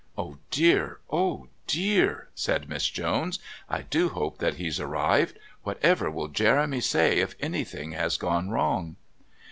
"Oh dear! Oh dear!" said Miss Jones. "I do hope that he's arrived. Whatever will Jeremy say if anything has gone wrong?"